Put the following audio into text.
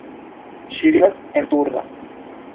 Ŝi vivas en Turda.